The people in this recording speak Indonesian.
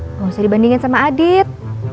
nggak usah dibandingin sama adit